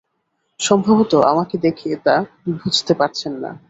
সম্ভবত আমাকে দেখে তা বুঝতে পারছেন না।